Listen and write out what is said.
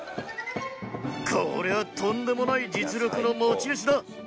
これはとんでもない実力の持ち主だ